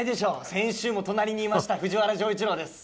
先週も隣にいました、藤原丈一郎です。